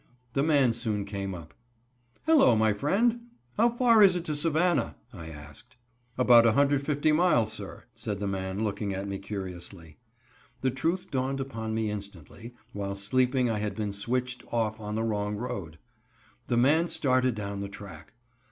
The man soon came up. "Hello! my friend, how far is it to Savannah?" I asked. "About 150 miles, sir," said the man looking at me curiously. The truth dawned upon me instantly, while sleeping I had been switched off on the wrong road. The man started down the track.